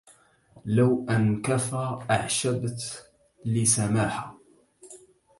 لو أن كفا أعشبت لسماحة